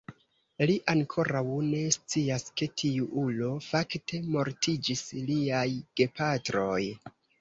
Li ankoraŭ ne scias ke tiu ulo fakte mortiĝis liaj gepatroj.